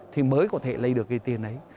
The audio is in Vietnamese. thì mới có thể lấy được cái tiền ấy